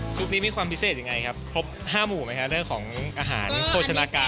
นี้มีความพิเศษยังไงครับครบ๕หมู่ไหมครับเรื่องของอาหารโภชนาการ